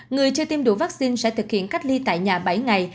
người chưa tiêm đủ vaccine sẽ thực hiện cách ly tại nhà bảy ngày